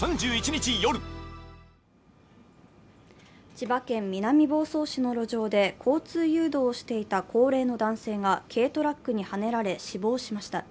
千葉県南房総市の路上で交通誘導をしていた高齢の男性が軽トラックにはねられ死亡しました。